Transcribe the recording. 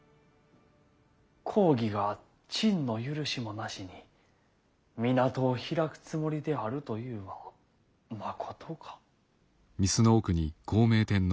公儀が朕の許しもなしに港を開くつもりであるというはまことか？